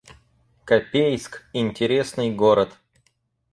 Копейск — интересный город